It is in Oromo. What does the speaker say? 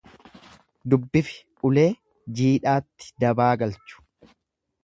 Dubbifi ulee jiidhaatti dabaa galchu.